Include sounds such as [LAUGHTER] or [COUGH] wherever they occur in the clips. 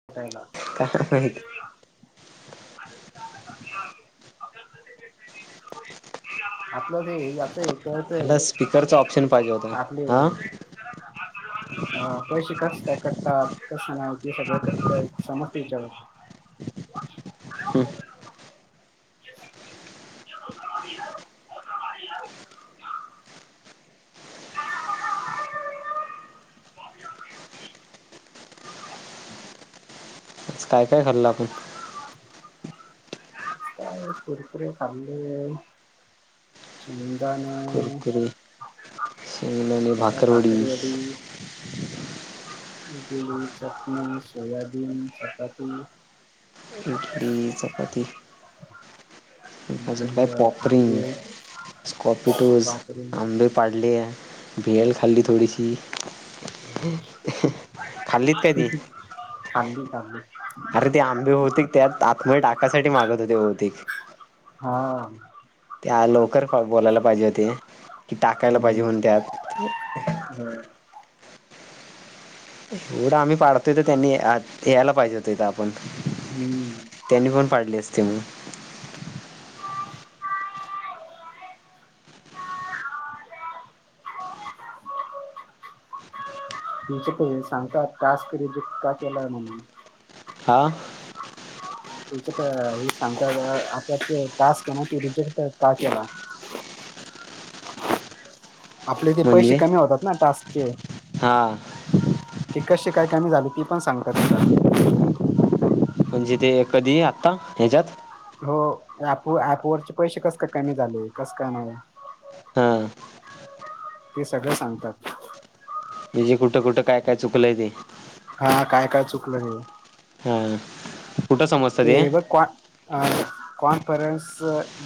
[UNINTELLIGIBLE] [UNINTELLIGIBLE] [INAUDIBLE] [INAUDIBLE] काय माहित आपलं ते [UNINTELLIGIBLE] [UNINTELLIGIBLE] ते कळतय ह्याला स्पीकरचा ऑप्शन पाहिजे होता आपले [INAUDIBLE] हा अ पैसे कस काय कटतात, कसं नाय ते सगळ [INAUDIBLE] [INAUDIBLE] [INAUDIBLE] [INAUDIBLE] काय काय खाल्लं आपण? आज काय कुरकुरे खाल्ले. शेंगदाण. कुरकुरे अणि काय भाकरवडी. इडली, चटनी, सोयाबीन, चपाती. इडली, चपाती. अजून काय नंतर पॉपरिंग. आंबे स्कॉपिटोज, पापडी आंबे पाडले भेल खाल्ली थोडीशी. खाल्लीत काय ती [INAUDIBLE] आंबे खाल्ले. अर ते आंबे होते, त्यात आतमध्ये टाकायसाठी मागत होते बहुतेक. हा. त्या लवकर बोलायला पाहिजे होते. कि टाकायला पाहिजे म्हणून हम्म त्यात [INAUDIBLE] हम्म. एवढं आम्ही पाडतोय तर त्यांनी या-यायला पाहिजे होत [UNINTELLIGIBLE] आपण. हम्म. त्यांनीपण पाडले असते मग. [INAUDIBLE] तेच्य ते सांगतात टास्क रिजेक्ट का केलाय म्हणून. हा. [UNINTELLIGIBLE] सांगतात आपला टास्क [UNINTELLIGIBLE] रिजेक्ट का केला. आपले ते पैसे म्हणजे कमी होतात, ना टास्कचे. हा. ते कसे काय कमी झाले ती पण सांगतात तिथं. म्हणजे ते कधी आत्ता ह्याच्यात? हो एप- ऍपवररचे पैसे कस काय कमी झाले कस काय नाय. हा ते सगळं सांगतात. म्हणजे कुठं कुठं कायं कायं चुकलंय ते. हां कायं कायं चुकलं हे. हां ते बघं कां कॉन्फरनस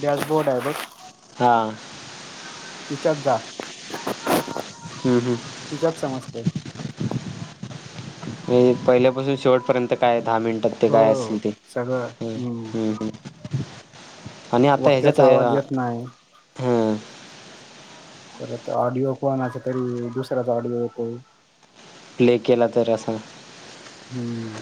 कॅशबोर्ड आहे बघं. हां तिच्यांत जां. हम्मं हम्मं तिच्यांत समजतं. म्हणजे पहिल्यांपासून शेवटपर्यंत कायं दहा मिनिटांत ते कायं हो असेल ते. सगळं हम्म हम्मं. हम्म हम्म आणि आता वक्त्यांचा आवांज येतं ह्याच्यात नाहीं. हं परंत ऑडिओ कोणांचा तरी दुसऱ्यांचा ऑडिओ येतो. प्ले केलां तरं असां. हम्मं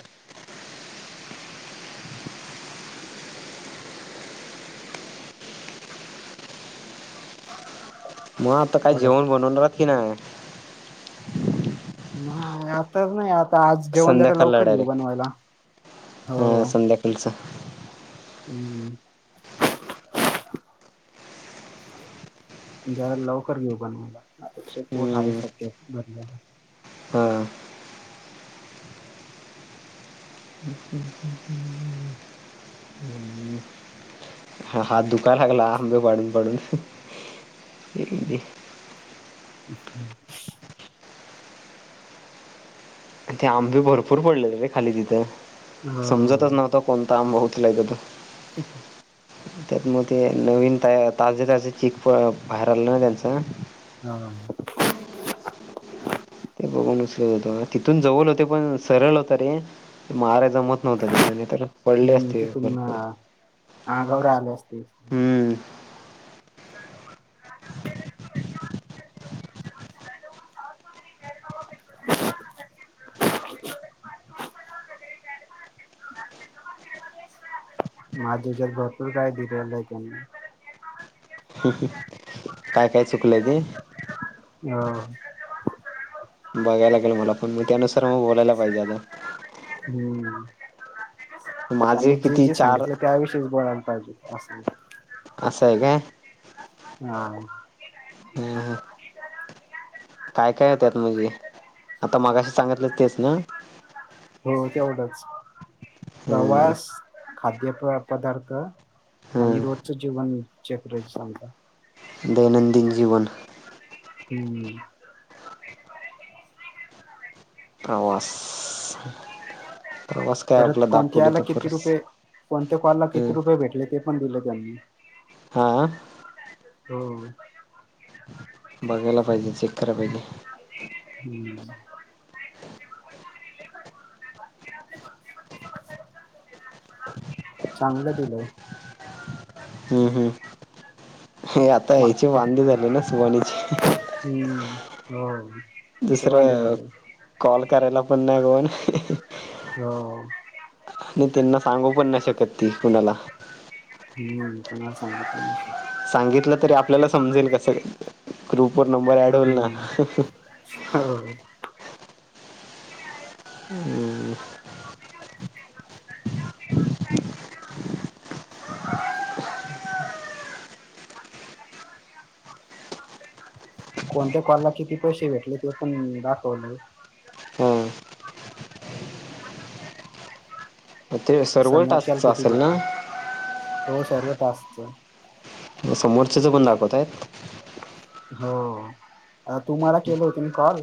हो मंग आंता कांहीं जेवणं बनवणांर की नाहीं? नाहीं आंता नाहीं आंता आंज जेवणं जरां संध्याकाळला लवकरं घेऊं डायरेक्ट बनवांयला हो. येलंस. हम्मं ज्यांला लवकरं घेऊं बनवांला नातांचे पोट आहे संध्या भरलेवर. हां हां हात दुखां लागंला आंबे पाडूंन पाडूंन. [UNINTELLIGIBLE] ते आंबी भरंपूर पडलेले रे खांली तिथं हो समजतंच नां. कोणंता आमब होऊंत एकथो त ठीकं त्यांत मंग ते नवीन ताजे ताजे चीक बाहेर आलं नां त्यांचं हां ते बघूंन उचरतं होतं तिथूंन जवळं होते पणं सरळं होतं रे महारांजा मतं नव्हतं तिथने तरं पडले असते भरंपूर हां गौरा्या आले असते हम्मं [UNINTELLIGIBLE] [UNINTELLIGIBLE] त्यांनी माहित आहे की नाहीं माझ्याच्यांत भरंपूर कायं दिलेलं आहे त्यांने हं हं कायं कायं चुकलंय ते हम्मं बघांयला गेलं मलां पणं मंग त्यांनुसार मंग बोलांयला पाहिजे आंता हम्मं माझे त्यांनी जे किती जे चार सांगितलं त्याविषयीच बोळांयला पाहिजे असं असं आहे कायं हां हां हां काय काय हाय त्यातं म्हणजे? आता मगाशी सांगितलं तेच ना? हो तेवढच. हम्म प्रवास खाद्य पदार्थ आणि हम्म रोजचं जेवण चेक [UNINTELLIGIBLE] दैनंदिन जीवन. हम्म. प्रवास. प्रवास काय परत आपला कोणत्या दापोली याला ते किती फरस रुपये, कोणत्या कॉलला किती हम्म रुपये भेटले ते पण दिले त्यांनी. हा? हो. बघायला पाहिजे, चेक करायला पाहिजे. हम्म. चांगलं दिलंय. हम्म हम्म. हे आता मा ह्याचे वांदे फक्त झाले ना सुवाणीचे. हम्म. हो. तिचे वांदे दुसरं, झाले कॉल करायला पण नाही कोण. हो. आणि त्यांना सांगू पण नाय शकत ती कुणाला. हम्म. कुणाला सांगू पण नाय शकत. सांगितलं तरी आपल्याला समजेल कसं काय? ग्रुप वर नंबर ऍड होईल ना. हम्म हो. हम्म. कोणत्या कॉलला किती पैसे भेटले ते पण दाखवलेय. हां ते सर्व समोरच्याला टास्कचं किती असेल भेटले. ना हो सर्व टास्क चं. समोरच्या चे पण दाखवतायेत? हो. तुम्हाला केलं होते मी कॉल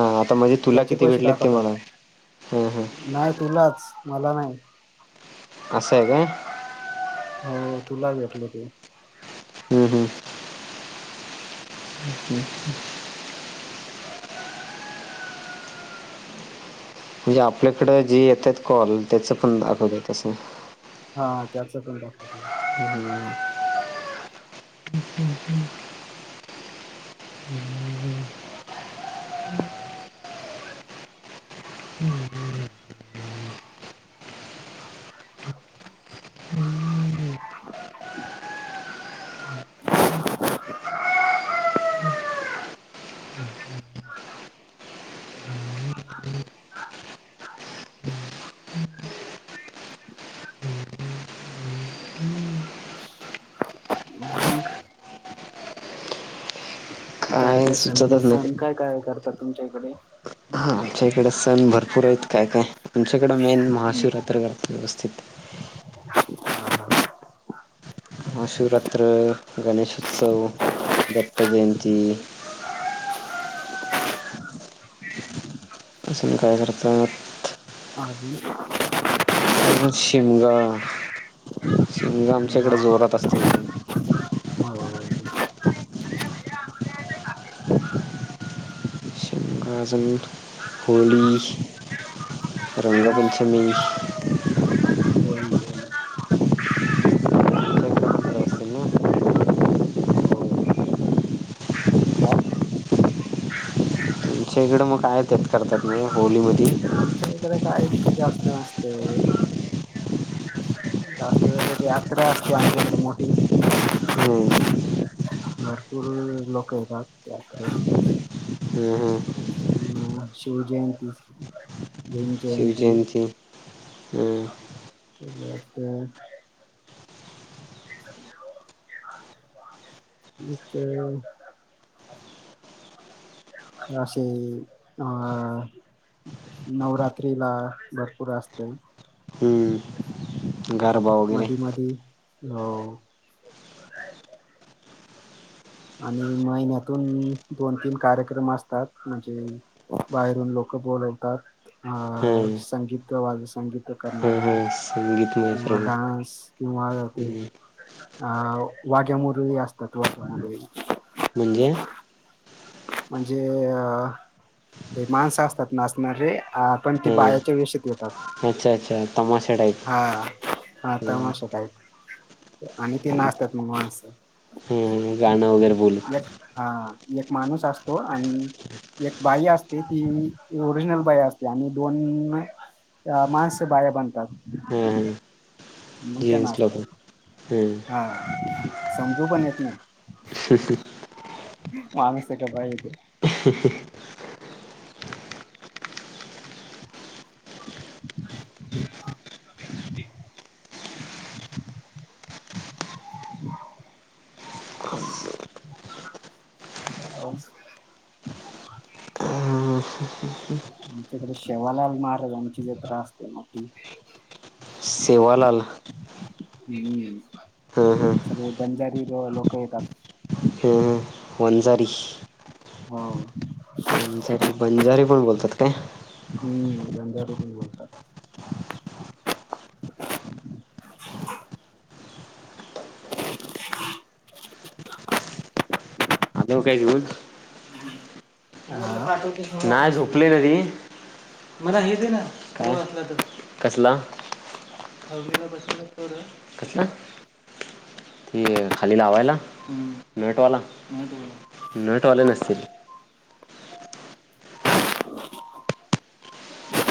हा आता म्हणजे तुला त्याचे किती पैसे भेटलेत ते दाखवत आहेत. मला ह हा. नाही तुलाच. मला नाही. असंय का? हो तुला भेटले ते. हम्म हम्म. हम्म हम्म. म्हणजे आपल्याकडं जे येत आहेत कॉल. त्याचं पण दाखवतंय तसं. हा. त्याच पण दाखवत. हम्म. [INAUDIBLE] [UNINTELLIGIBLE] [UNINTELLIGIBLE] काय काय सण, सुचतच नाही सण काय काय करतात तुमच्या इकडे? हा आमच्या इकडं सण भरपूर आहेत काय काय. आमच्याकडं मेन महाशिवरात्री करतात व्यवस्थित. महाशिवरात्र, गणेशोत्सव, दत्तजयंती. अजुन काय करतात? [INAUDIBLE] अजून शिमगा. शिमगा आमच्याकडे जोरात असतो एकदम हो. काय सांगू, होळी, रंगपंचमी [UNINTELLIGIBLE] आमच्या इकडं पण करत असतील ना हो काय? तुमच्या इकडे मग काय तर करतात. मग होली मधी? आमच्या इकडे काय जास्त नसते होळी. त यात्रा असते आमच्याकडे मोठी. हम्म भरपूर लोक येतात त्यात हम्म हम्म [UNINTELLIGIBLE] शिव जयंती. शिवजयंती हम्म केल असत. [UNINTELLIGIBLE] [UNINTELLIGIBLE] असय हां नवरात्रीला भरपूर असतय. हम्म गरबा. वगैरे मधी मधी हो आणि महिन्यातून दोन तीन कार्यक्रम असतात. म्हणजे बाहेरून लोक बोलवतात. अ हम्म संगीत वाले संगीत हम्म करणारे हम्म संगीतमय किंवा सर्व डान्स किंवा ते हम्म आ वाघ्या मुरळी असतात वाघ्या मुरळी. म्हणजे म्हणजे हे माणस असतात नाचणारे. पण ते बायाच्या हम्म वेशात येतात. अच्छा, अच्छा तमाशा टाईप. हा हां तमाशा टाईप. आणि ती नाचतात मग माणस. हम्म गाणं वगैरे बोलत एक हां एक माणूस असतो. आणि एक बाई असते. ती ओरिजिनल बाई असते. आणि दोन, अ माणस बाया बनतात. हम् हम्म मग त्या जेंट्स लोक नाचतात. हम्म हा समजू पण येत नाही. [INAUDIBLE] माणूसय का बाई ये तो. [INAUDIBLE] [UNINTELLIGIBLE] [INAUDIBLE] [INAUDIBLE] पाऊस. आमच्याकडे सेवालाल महाराजांची जत्रा असते मोठी. सेवालाल. हम्म हं हं ते बंजारी लो लोक येतात. हम्, वनझारी हो. वंजारी बंजारी पण बोलतात काय? हम्म, बंजारी पण बोलतात. [INAUDIBLE] [INAUDIBLE] देऊ का एक घुट? [INAUDIBLE] हा नाही झोपली आहे न ती. मला हे देना [UNINTELLIGIBLE] कसला? अवनीला बसवलं तेवढं, कशात? ते खाली लावायला. ह नटवाला नटवाला नटवाले नसतील. [INAUDIBLE]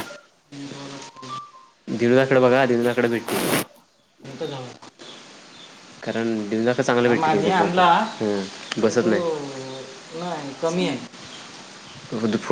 नटवाला असते. दिव्याकड बघा दिव्याकड भेटते. कोणतं काम आहे. [INAUDIBLE] कारण दिव्याक चांगलं भेटते. [UNINTELLIGIBLE] बसत नाही. नाही कमी आहे. [UNINTELLIGIBLE]